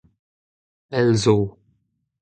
Pell zo.